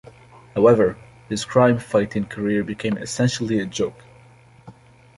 However, his crime-fighting career became essentially a joke.